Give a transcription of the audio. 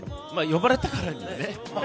呼ばれたからですね。